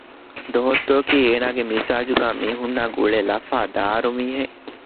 ދޮހުއްތުއަކީ އޭނާގެ މިޒާޖުގައި މީހުންނާއި ގުޅޭ ލަފާދާރު މީހެއް